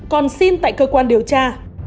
còn xin tại cơ quan điều tra